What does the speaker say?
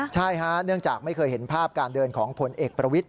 ใช่ฮะเนื่องจากไม่เคยเห็นภาพการเดินของผลเอกประวิทธ